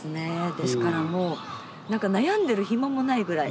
ですからもう何か悩んでる暇もないぐらい。